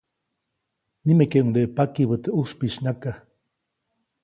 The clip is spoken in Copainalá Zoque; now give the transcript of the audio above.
Nimekeʼuŋdeʼe pakibä teʼ ʼuspiʼis nyaka.